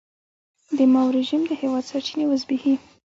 د ماوو رژیم د هېواد سرچینې وزبېښي.